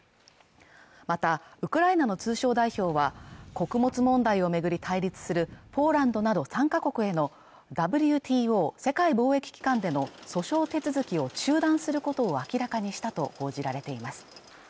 またウクライナの通商代表は穀物問題を巡り対立するポーランドなど３か国へのＷＴＯ＝世界貿易機関での訴訟手続きを中断することを明らかにしたと報じられています